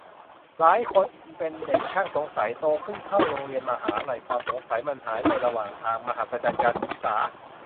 หลายคนเป็นเด็กช่างสงสัย โตขึ้นเข้าโรงเรียน มหาลัย ความสงสัยมันหายไประหว่างทาง - มหัศจรรย์การศึกษา !